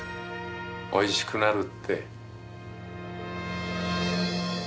おいしくなるって。